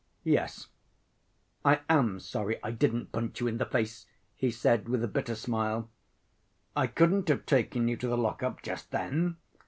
"Yes, I am sorry I didn't punch you in the face," he said with a bitter smile. "I couldn't have taken you to the lock‐up just then.